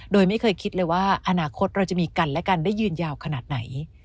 โดยไม่เคยคิดเลยว่าอนาคตเราจะมีกันและกันได้ยืนยาวขนาดไหน